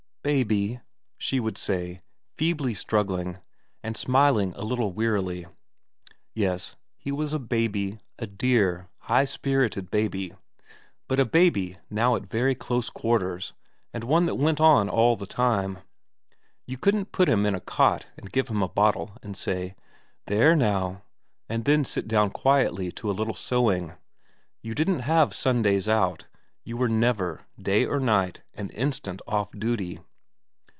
' Baby,' she would say, feebly struggling, and smiling a little wearily. Yes, he was a baby, a dear, high spirited baby, but a baby now at very close quarters and one that went on all the time. You couldn't put him in a cot and give him a bottle and say, ' There now/ and then sit down quietly to a little sewing ; you didn't have Sundays out ; you were never, day or night, an instant ofi duty.